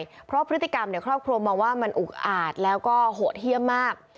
เพราะพฤติกรรมครอบครัวมองว่ามันอุกอาดแล้วก็โหดเยี่ยมมาก